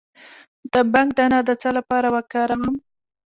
د بنګ دانه د څه لپاره وکاروم؟